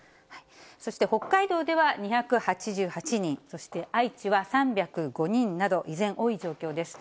そして北海道では２８８人、そして愛知は３０５人など、依然、多い状況です。